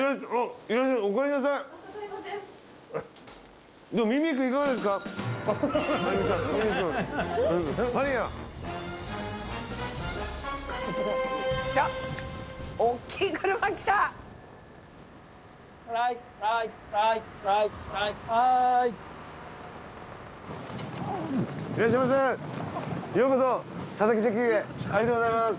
ありがとうございます。